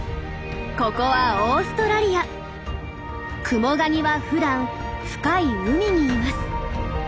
ここはクモガニはふだん深い海にいます。